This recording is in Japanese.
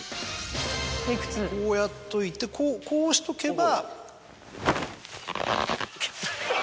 こうやっといてこうしとけば。